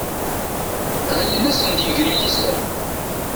Γilen ad asen-d-yegri liser.